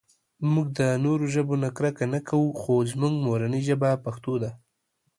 مونږ د نورو ژبو نه کرکه نهٔ کوؤ خو زمونږ مورنۍ ژبه پښتو ده